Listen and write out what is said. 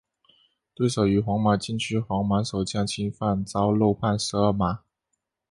对手于皇马禁区皇马守将侵犯遭漏判十二码。